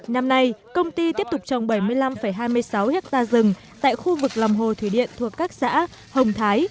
năm nay công ty tiếp tục trồng bảy mươi năm hai mươi sáu hectare rừng tại khu vực lòng hồ thủy điện thuộc các xã hồng thái